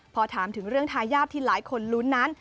พอถามถึงเรื่องทายาทที่หลายคนลุ้นนั้น